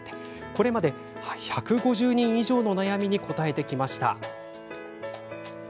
これまで１５０人以上の悩みにこたえてきました。